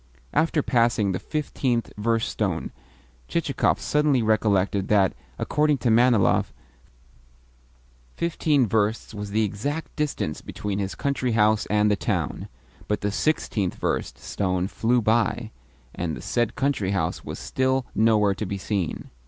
After passing the fifteenth verst stone Chichikov suddenly recollected that, according to Manilov, fifteen versts was the exact distance between his country house and the town; but the sixteenth verst stone flew by, and the said country house was still nowhere to be seen.